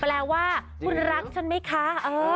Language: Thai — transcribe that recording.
แปลว่าคุณรักฉันไหมคะ